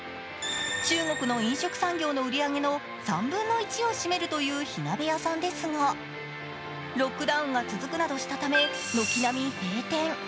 中国の飲食産業の売り上げの３分の１を占めるという火鍋屋さんですが、ロックダウンが続くなどしたため軒並み閉店。